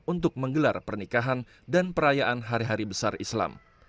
untuk menggelar pernikahan dan perayaan hari hari besar islam